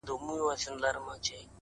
اوس به ورته ډېر ‘ډېر انـتـظـار كوم’